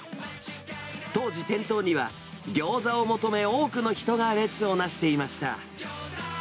当時、店頭にはぎょうざを求め多くの人が列をなしていました。